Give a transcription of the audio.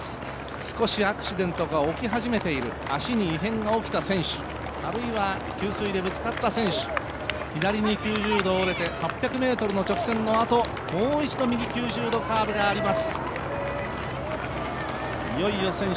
少しアクシデントが起き始めている足に異変が起きた選手、あるいは給水でぶつかった選手、左に９０度折れて８００ｍの直線のあともう一度、右９０度カーブがあります